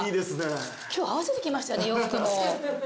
今日合わせてきましたね洋服。